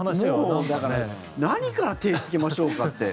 もう何から手をつけましょうって。